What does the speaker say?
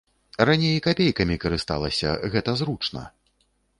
Раней капейкамі карысталася, гэта зручна.